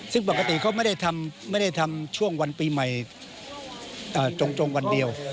ซึ่งปกติเขาไม่ได้ทำช่วงวันปีใหม่จงวันเดียว